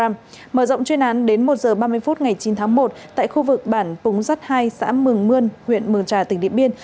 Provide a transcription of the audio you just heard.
mở rộng chuyên án đến một h ba mươi phút ngày chín tháng một tại khu vực bản púng rắt hai xã mường mươn huyện mường trà tỉnh điện biên